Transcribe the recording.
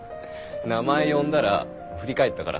名前呼んだら振り返ったから。